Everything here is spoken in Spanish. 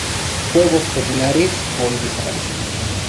Juegos populares hoy desaparecidos.